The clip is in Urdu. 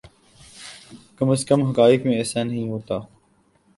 کم از کم حقائق میں ایسا نہیں ہوتا۔